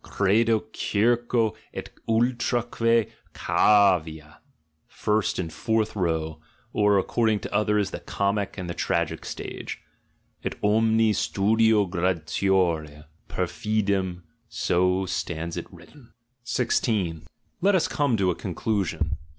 "Credo circo et utraque cavea" (first and fourth row, or, accord ing to others, the comic and the tragic stage) "et omni studio gratiora." Per fidem: so stands it written. 16. Let us come to a conclusion.